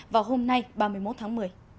vào hôm nay ba mươi một tháng một mươi